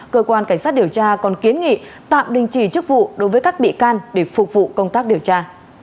cơ quan cảnh sát điều tra còn kiến nghị tạm đình chỉ chức vụ đối với các bị can để phục vụ công tác điều tra